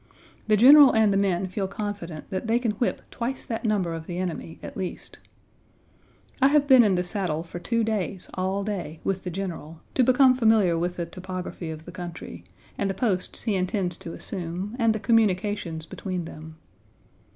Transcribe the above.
The General and the men feel confident that they can whip twice that number of the enemy, at least. I have been in the saddle for two days, all day, with the General, to become familiar with the topography of the country, and the posts he intends to assume, and the communications between them.